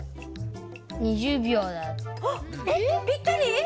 ぴったり！？